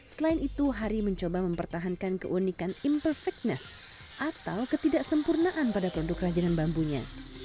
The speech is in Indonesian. selain itu hari mencoba mempertahankan keunikan impersekness atau ketidaksempurnaan pada produk kerajinan bambunya